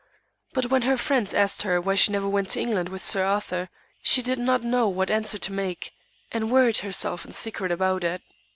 But when her friends asked her why she never went to England with Sir Arthur, she did not know what answer to make, and worried herself in secret about it.